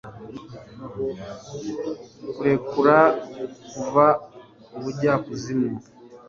kurekura kuva ubujyakuzimu